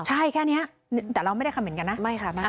ใช่แค่เนี่ยแต่เราไม่ได้เขมินกันนะ